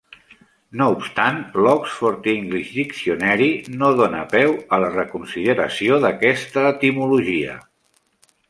No obstant, "l'Oxford English Dictionary" no dona peu a la reconsideració d'aquesta etimologia.